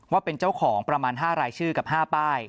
ว่าเป็นเจ้าของประมาณ๕รายชื่อกับ๕ป้าย